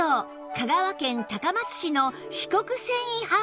香川県高松市の四国繊維販売